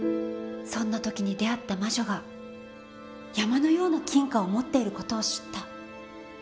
そんな時に出会った魔女が山のような金貨を持っている事を知った。